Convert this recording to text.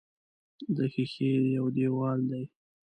د ښیښې یو دېوال دی.